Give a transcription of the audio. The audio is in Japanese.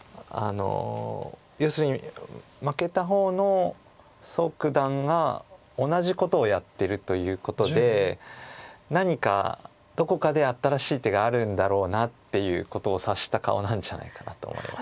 要するに負けた方の蘇九段が同じことをやってるということで何かどこかで新しい手があるんだろうなっていうことを察した顔なんじゃないかなと思います。